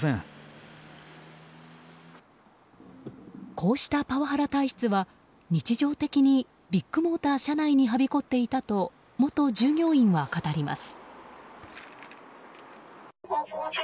こうしたパワハラ体質は日常的にビッグモーター社内にはびこっていたと元従業員は語ります。